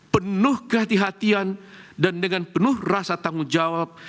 penuh kehatian dan dengan penuh rasa tanggung jawab